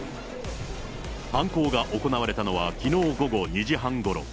犯行が行われたのはきのう午後２時半ごろ。